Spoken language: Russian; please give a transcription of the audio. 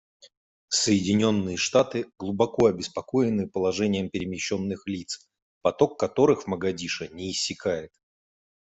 Соединенные Штаты глубоко обеспокоены положением перемещенных лиц, поток которых в Могадишо не иссякает.